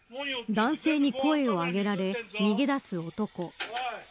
男性に声を上げられ逃げ出す男。